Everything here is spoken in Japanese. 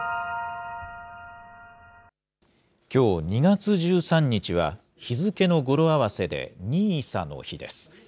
きょう２月１３日は、日付の語呂合わせでＮＩＳＡの日です。